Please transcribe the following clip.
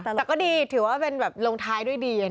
แต่ก็ดีถือว่าเป็นแบบลงท้ายด้วยดี